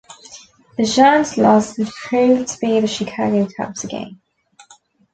The Giants' loss would prove to be the Chicago Cubs' gain.